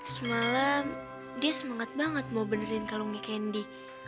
semalam dia semangat banget mau benerin kalungnya kendi